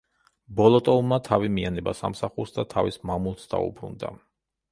ბოლოტოვმა თავი მიანება სამსახურს და თავის მამულს დაუბრუნდა.